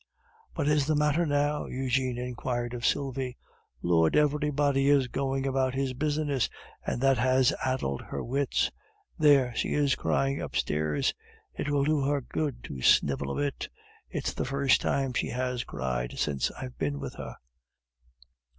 "What is the matter now?" Eugene inquired of Sylvie. "Lord! everybody is going about his business, and that has addled her wits. There! she is crying upstairs. It will do her good to snivel a bit. It's the first time she has cried since I've been with her."